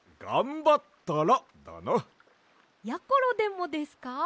やころでもですか？